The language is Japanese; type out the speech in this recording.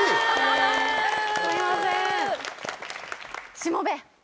しもべ！